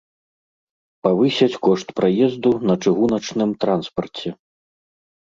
Павысяць кошт праезду на чыгуначным транспарце.